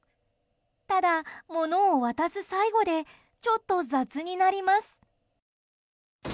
ただ、物を渡す最後でちょっと雑になります。